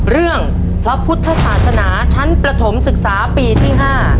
พระพุทธศาสนาชั้นประถมศึกษาปีที่๕